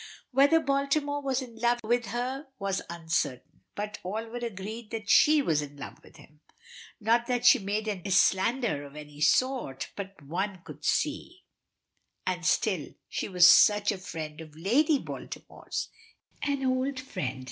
Whether Baltimore was in love with her was uncertain, but all were agreed that she was in love with him. Not that she made an esclandre of any sort, but one could see! And still! she was such a friend of Lady Baltimore's an old friend.